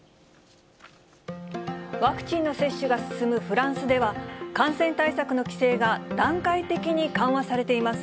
ワクチンの接種が進むフランスでは、感染対策の規制が段階的に緩和されています。